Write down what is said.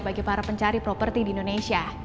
bagi para pencari properti di indonesia